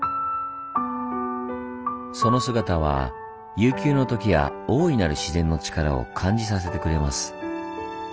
その姿は悠久の時や大いなる自然の力を感じさせてくれます。